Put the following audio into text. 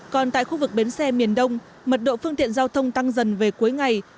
còn tại khu vực bến xe miền đông mật độ phương tiện giao thông tăng dần về cuối ngày